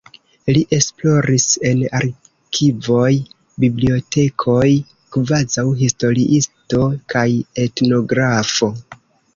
Li esploris en arkivoj, bibliotekoj kvazaŭ historiisto kaj etnografo.